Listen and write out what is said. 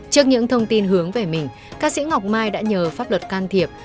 trước những thông tin hướng về mình ca sĩ ngọc mai đã nhờ pháp luật can thiệp